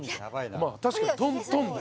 確かにトントンで